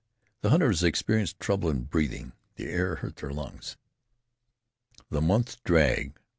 The hunters experienced trouble in breathing; the air hurt their lungs. The months dragged.